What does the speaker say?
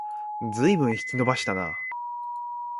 ずいぶん引き延ばしたな